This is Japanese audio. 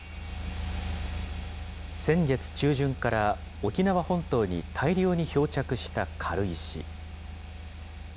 先月中旬から沖縄本島に大量に漂着した軽石。